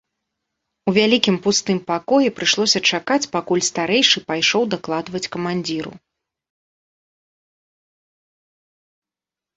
У вялікім пустым пакоі прыйшлося чакаць, пакуль старэйшы пайшоў дакладваць камандзіру.